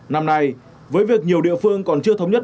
năm nay với việc nhiều địa phương còn chưa thống nhất